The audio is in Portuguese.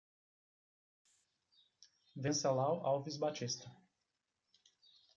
Wencelau Alves Batista